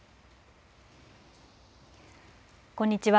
こんにちは。